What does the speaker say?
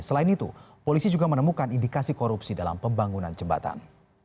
selain itu polisi juga menemukan indikasi korupsi dalam pembangunan jembatan